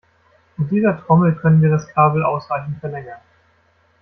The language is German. Mit dieser Trommel können wir das Kabel ausreichend verlängern.